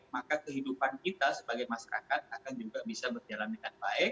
maka kehidupan kita sebagai masyarakat akan juga bisa berjalan dengan baik